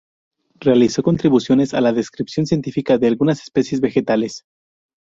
Realizó contribuciones a la descripción científica de algunas especies vegetales.